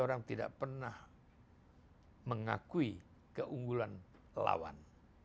orang tidak pernah mengakui keunggulan lawan